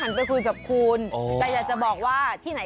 ไปคุยกับคุณแต่อยากจะบอกว่าที่ไหน